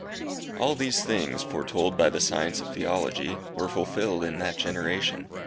All these things, foretold by the science of Theology, were fulfilled in that generation.